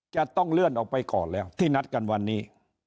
จะต้องเลื่อนออกไปก่อนแล้วที่นัดกันวันนี้